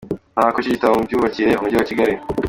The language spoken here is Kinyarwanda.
Nta kujijita mu myubakire mu Mujyi wa Kigali